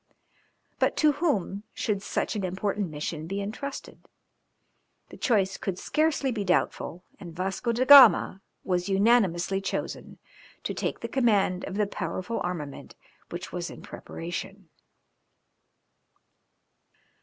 But to whom should such an important mission be entrusted? The choice could scarcely be doubtful, and Vasco da Gama was unanimously chosen to take the command of the powerful armament which was in preparation.